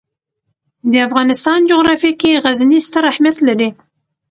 د افغانستان جغرافیه کې غزني ستر اهمیت لري.